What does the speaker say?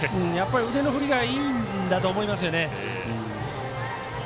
腕の振りがいいんだと思います。